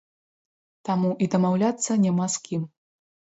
Таму і дамаўляцца няма з кім.